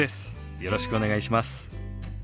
よろしくお願いします。